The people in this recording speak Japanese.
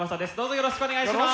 よろしくお願いします。